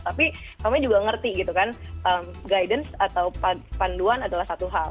tapi kami juga ngerti gitu kan guidance atau panduan adalah satu hal